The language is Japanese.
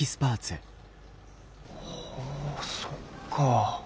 ほうそっか。